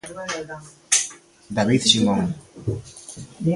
David Simón.